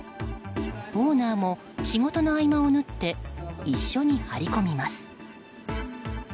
オーナーも仕事の合間を縫って一緒に張り込みます。